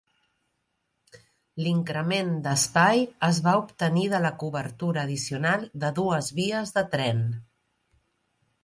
L'increment d'espai es va obtenir de la cobertura addicional de dues vies de tren.